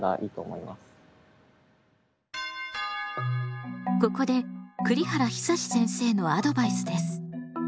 近年ではここで栗原久先生のアドバイスです。